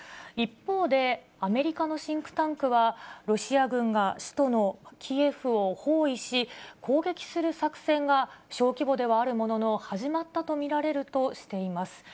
一方で、アメリカのシンクタンクは、ロシア軍が首都のキエフを包囲し、攻撃する作戦が小規模ではあるものの、始まったと見られるとしています。